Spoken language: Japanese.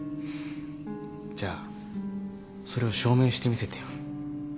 じゃあそれを証明してみせてよ。